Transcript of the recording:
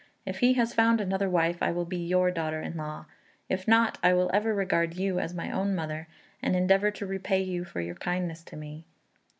If he has found another wife I will be your daughter in law; if not, I will ever regard you as my own mother, and endeavour to repay you for your kindness to me."